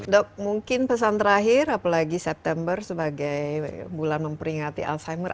dok mungkin pesan terakhir apalagi september sebagai bulan memperingati alzheimer